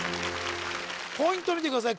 ポイント見てください